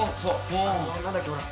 あの何だっけほら。